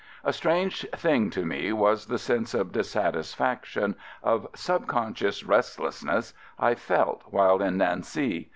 A strange thing to me was the sense of dissatisfaction — of subconscious restless ness — I felt while in Nancy.